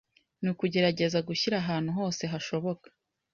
ni ukugerageza gushyira ahantu hose hashoboka